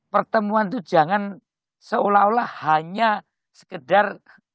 pertemuan itu jangan seolah olah hanya sekedar